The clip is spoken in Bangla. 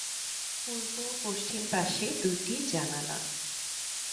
পূর্ব ও পশ্চিম পার্শ্বে দুটি জানালা।